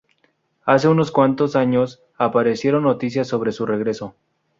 Hace unos cuantos de años aparecieron noticias sobre su regreso.